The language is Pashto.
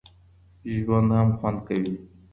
ژوند هم خوند کوي.